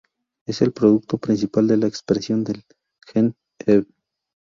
Es el producto principal de la expresión del gen env.